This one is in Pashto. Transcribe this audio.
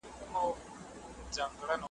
ښاماران مي تېروله .